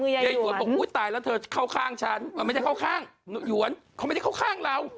ยายหวนบอกอุ๊ยตายแล้วเธอเข้าข้างฉันมันไม่ได้เข้าข้างหยวนเขาไม่ได้เข้าข้างเรา